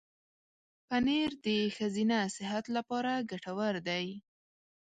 پنېر د ښځینه صحت لپاره ګټور دی.